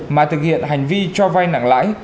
mà thực hiện hành vi cho vay nặng lãi